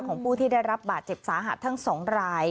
ของผู้ที่ได้รับบาดเจ็บสาหัสทั้ง๒ราย